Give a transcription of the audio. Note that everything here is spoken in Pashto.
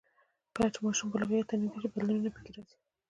کله چې ماشوم بلوغیت ته نږدې شي، بدلونونه پکې راځي.